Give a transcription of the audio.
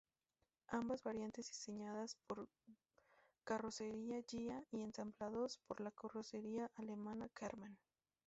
Ambas variantes diseñadas por Carrozzeria Ghia y ensamblados por la carrocera alemana Karmann.